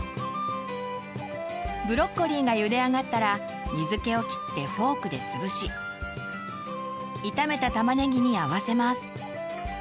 ブロッコリーがゆで上がったら水けをきってフォークで潰し炒めたたまねぎに合わせます。